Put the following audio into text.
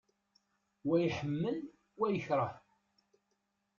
Wa iḥemmel, wa yekreh.